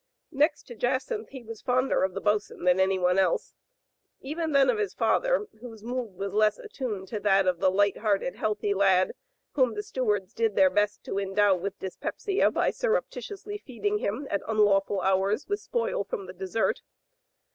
Next to Jacynth he was fonder of the bos'n than anyone else, even than of his father, whose mood was less attuned to that of the light hearted, healthy lad whom the stewards did their best to endow with dys pepsia by surreptitiously feeding him at unlawful hours with spoil from the dessert.